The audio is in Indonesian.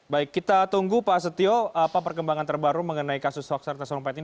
baik kita tunggu pak setio apa perkembangan terbaru mengenai kasus hoax ratna sarumpait ini